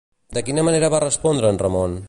De quina manera va respondre en Ramón?